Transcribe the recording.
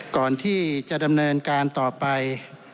ก่อนที่จะดำเนินการต่อไป